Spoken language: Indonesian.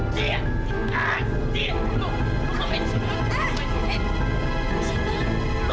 sebenernya kalo kalo di syurga gak ada bumburu